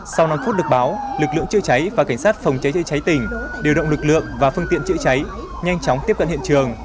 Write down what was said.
sau năm phút được báo lực lượng chữa cháy và cảnh sát phòng cháy chữa cháy tỉnh điều động lực lượng và phương tiện chữa cháy nhanh chóng tiếp cận hiện trường